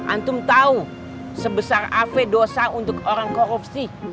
antum tahu sebesar av dosa untuk orang korupsi